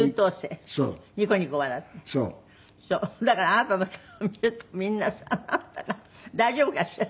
だからあなたの顔を見るとみんなさあなたが大丈夫かしら？